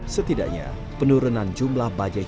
setidaknya penurunan jumlah bajai di jakarta